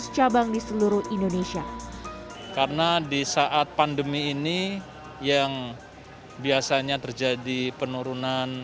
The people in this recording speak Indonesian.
lima ratus cabang di seluruh indonesia karena disaat pandemi ini yang biasanya terjadi penurunan